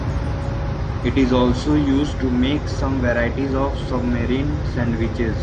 It is also used to make some varieties of submarine sandwiches.